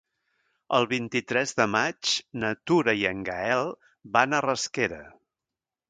El vint-i-tres de maig na Tura i en Gaël van a Rasquera.